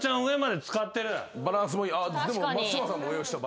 バランスもいい。